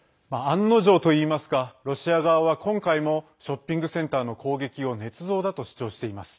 案の定といいますかロシア側は今回もショッピングセンターの攻撃をねつ造だと主張しています。